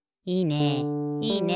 いいね！